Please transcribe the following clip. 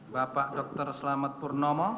bapak dokter selamat purnomo